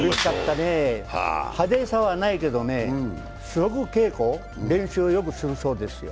派手さはないけどね、すごく稽古、練習をよくするそうですよ。